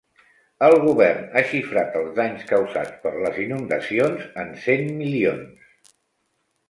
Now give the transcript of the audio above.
El govern ha xifrat els danys causats per les inundacions en cent milions.